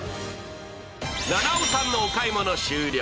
菜々緒さんのお買い物終了。